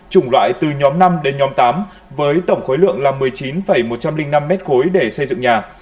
chủng loại từ nhóm năm đến nhóm tám với tổng khối lượng là một mươi chín một trăm linh năm m ba để xây dựng nhà